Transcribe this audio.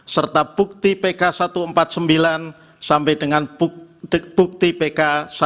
serta bukti pk satu ratus empat puluh sembilan sampai dengan bukti pk satu ratus dua belas